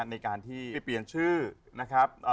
ในการที่ไปเปลี่ยนชื่อนะครับ